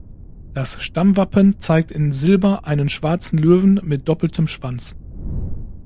Das Stammwappen zeigt in Silber einen schwarzen Löwen, mit doppeltem Schwanz.